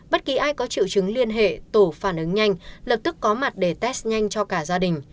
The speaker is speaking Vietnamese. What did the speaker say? bất kỳ ai có triệu chứng liên hệ tổ phản ứng nhanh lập tức có mặt để test nhanh cho cả gia đình